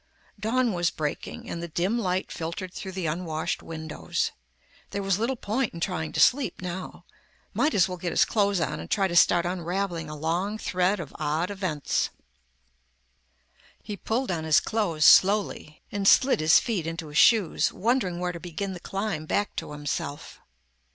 Dawn was breaking and the dim light filtered through the unwashed windows. There was little point in trying to sleep now. Might as well get his clothes on and try to start unraveling a long thread of odd events. He pulled on his clothes slowly and slid his feet into his shoes, wondering where to begin the climb back to himself.